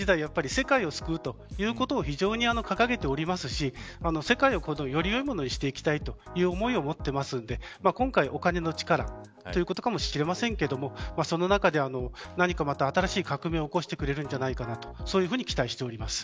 世界を救うということを非常に掲げておりますし世界をより良いものにしていきたいという思いを持っているので今回、お金の力ということかもしれませんがその中で何かまた新しい革命を起こしてくれるんじゃないかとそういうふうに期待しています。